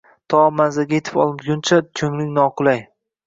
To manzilga yetib olguncha ko’ngling noqulay.